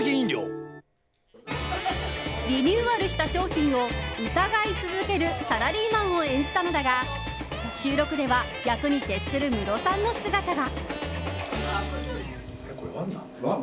リニューアルした商品を疑い続けるサラリーマンを演じたのだが収録では役に徹するムロさんの姿が。